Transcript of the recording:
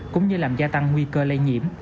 cũng như làm gia tăng nguy cơ lây nhiễm